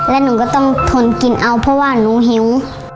และหนูก็ต้องทนกินเอาเพราะว่าหนูหิว